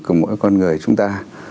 của mỗi con người chúng ta